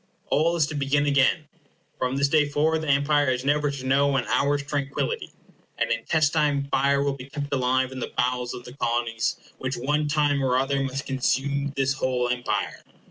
All is to begin again. From this day forward the Empire is never to know an hour's tranquillity. An intestine fire will be kept alive in the bowels of the Colonies, which one time or other must consume this whole Empire.